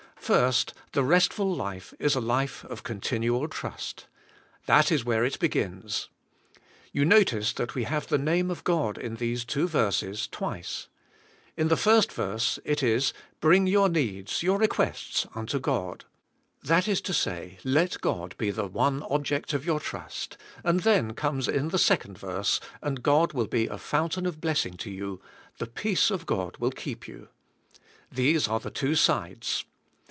1. The restful life is a life of continual trust. That is where it begins. You notice that we have the name of God in these two verses twice. In the first verse it is, bring your needs, your requests, unto God. That is to say let God be the one object of your trust and then comes in the second verse and God will be a fountain of blessing to you, "The peace of God will keep you." These are the two sides.